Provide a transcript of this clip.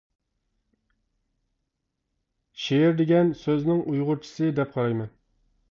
شېئىر دېگەن سۆزنىڭ ئۇيغۇرچىسى دەپ قارايمەن.